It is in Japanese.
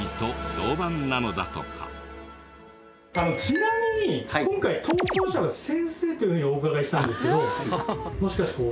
ちなみに今回投稿者が先生というふうにお伺いしたんですけどもしかして。